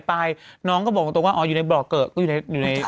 เปลี่ยนเรื่องไปรุ่นอีกแล้ว